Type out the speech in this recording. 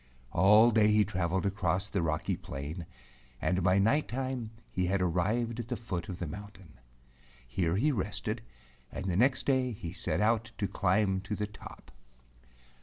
All day he traveled across the rocky plain, and by night time he had arrived at the foot of the mountain. Here he rested, and the next day he set out to climb to the top.